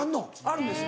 あるんです。